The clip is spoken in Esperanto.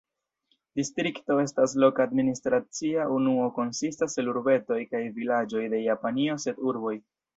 Distrikto estas loka administracia unuo konsistas el urbetoj kaj vilaĝoj de Japanio sed urboj.